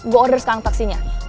gue order sekarang taksinya